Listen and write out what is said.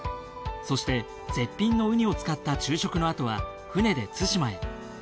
そして絶品のウニを使った昼食のあとは船で対馬へ。